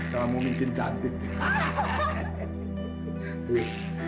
tocok buat kamu